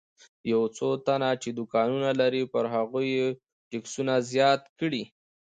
یو څو تنه چې دوکانونه لري پر هغوی یې ټکسونه زیات کړي.